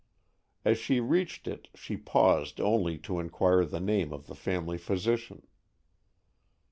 As she reached it she paused only to inquire the name of the family physician.